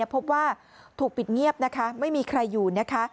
พบว่าถูกปิดเงียบนะคะไม่มีใครอยู่นะคะ